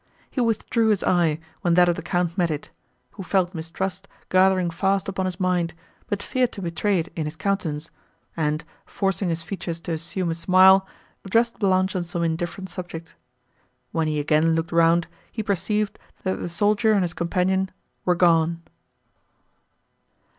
He withdrew his eye, when that of the Count met it, who felt mistrust gathering fast upon his mind, but feared to betray it in his countenance, and, forcing his features to assume a smile, addressed Blanche on some indifferent subject. When he again looked round, he perceived, that the soldier and his companion were gone.